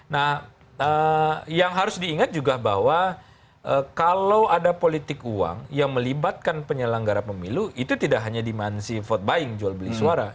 nah yang harus diingat juga bahwa kalau ada politik uang yang melibatkan penyelenggara pemilu itu tidak hanya dimensi vote buying jual beli suara